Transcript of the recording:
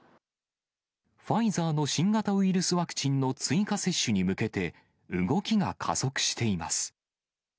ファイザーの新型ウイルスワクチンの追加接種に向けて、動きが加速しています。